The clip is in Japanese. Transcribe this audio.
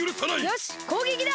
よしこうげきだ！